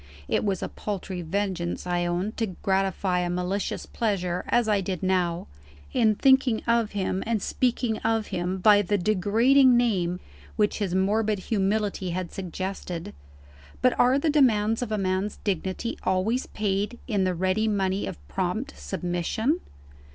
(It was a paltry vengeance, I own, to gratify a malicious pleasure as I did now in thinking of him and speaking of him by the degrading name which his morbid humility had suggested. But are the demands of a man's dignity always paid in the ready money of prompt submission?)